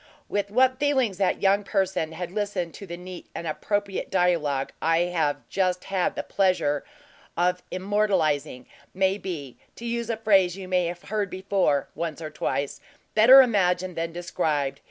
With what feelings that young person had listened to the neat and appropriate dialogue I have just had the pleasure of immortalizing, may be to use a phrase you may have heard before, once or twice better imagined than described.